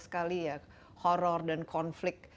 sekali ya horror dan konflik